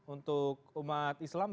untuk umat islam